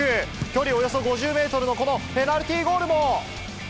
距離およそ５０メートルのこのペナルティーゴールも。